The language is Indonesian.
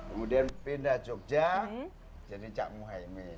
kemudian pindah jogja jadi cak muhaymin